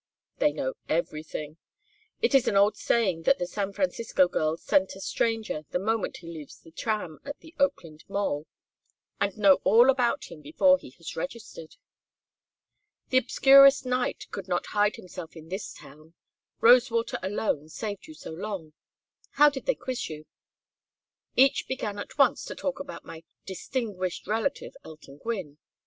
"They know everything. It is an old saying that the San Francisco girls scent a stranger the moment he leaves the tram at the Oakland mole, and know all about him before he has registered. The obscurest knight could not hide himself in this town. Rosewater alone saved you so long. How did they quiz you?" "Each began at once to talk about my 'distinguished relative, Elton Gwynne.'